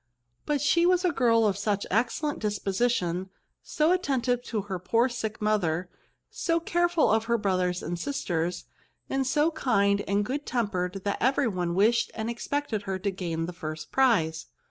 But she was a girl of such an excellent disposition^ so attentive to her poor sick mother^ so careful of her brothers and sis ters, and so kind and good tempered, that every one wished and expected her to gain the first prize.